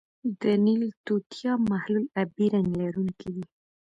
د نیل توتیا محلول آبی رنګ لرونکی دی.